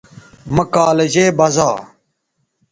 مہ کالجے بزا